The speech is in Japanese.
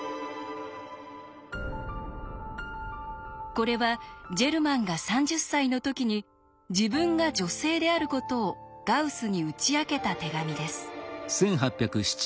これはジェルマンが３０歳の時に自分が女性であることをガウスに打ち明けた手紙です。